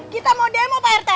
kita mau demo pak rt